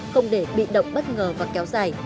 không để bị động bất ngờ và kéo dài